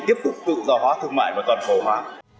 tiếp tục tự do hóa thương mại và toàn cầu hóa